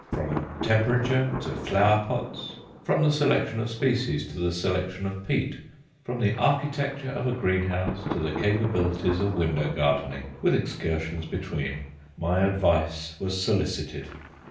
From temperature to flower pots, from the selection of species to the selection of peat, from the architecture of a greenhouse to the capabilities of window gardening, with excursions between, my advice was solicited.